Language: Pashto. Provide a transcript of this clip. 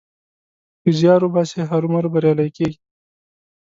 که زيار وباسې؛ هرو مرو بريالی کېږې.